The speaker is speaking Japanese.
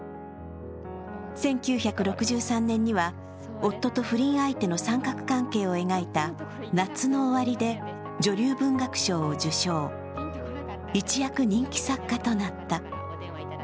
１９６３年には夫と不倫相手の三角関係を描いた「夏の終り」で女流文学賞を受賞、一躍、人気作家となった。